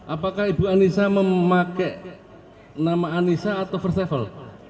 apakah ibu anissa memakai nama anissa atau first travel